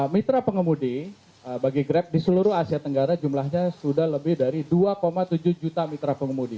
mitra pengemudi bagi grab di seluruh asia tenggara jumlahnya sudah lebih dari dua tujuh juta mitra pengemudi